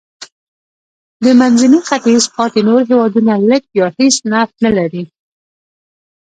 د منځني ختیځ پاتې نور هېوادونه لږ یا هېڅ نفت نه لري.